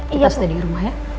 kita sendiri rumah ya